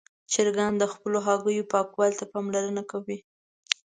چرګان د خپلو هګیو پاکوالي ته پاملرنه کوي.